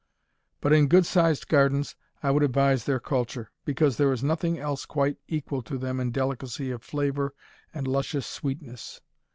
But in good sized gardens I would advise their culture, because there is nothing else quite equal to them in delicacy of flavor and luscious sweetness.